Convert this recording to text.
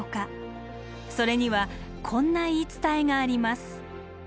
それにはこんな言い伝えがあります。